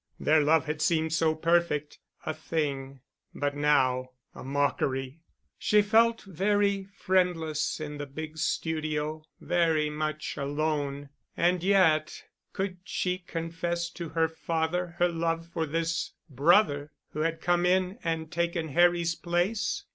Their love had seemed so perfect a thing! But now—a mockery! She felt very friendless in the big studio, very much alone. And yet—could she confess to her father her love for this brother who had come in and taken Harry's place?